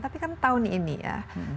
tapi kan tahun ini ya